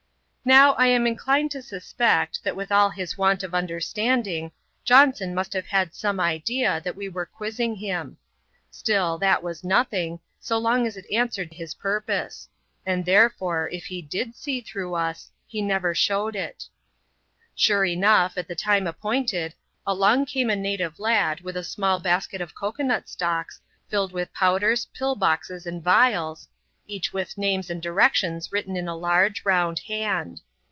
Now, I am inclined to suspect, that with all his want of understanding, Johnson must hdve had some idea that we were quizzing him. Still, that was nothing, so long as it answered his purpose ; and therefore, if he did see through us, he never showed it. Sure enough, at the time appointed, along came a native lad with a small basket of cocoa nut stalks, filled with powders, pill boxes, and vials, each with names and directions written in a large, round hand.